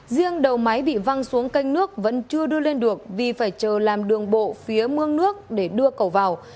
riêng đầu máy bị văng xuống canh nước vẫn chưa đưa lên được vì phải chờ làm đường bộ phía mương nước để đưa cầu vào